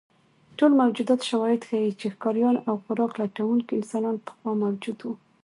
ټول موجود شواهد ښیي، چې ښکاریان او خوراک لټونکي انسانان پخوا موجود وو.